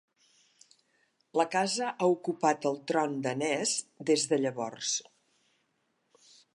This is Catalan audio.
La casa ha ocupat el tron danès des de llavors.